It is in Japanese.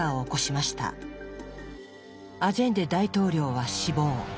アジェンデ大統領は死亡。